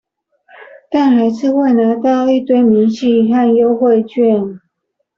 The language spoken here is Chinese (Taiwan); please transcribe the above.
但還是會拿到一堆明細和優惠券